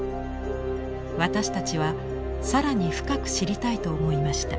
私たちは更に深く知りたいと思いました。